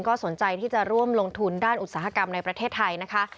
ก็สนใจที่จะร่วมลงทุนด้านอุตสาหกรรมในประเทศไทยนะคะ